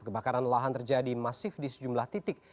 kebakaran lahan terjadi masif di sejumlah titik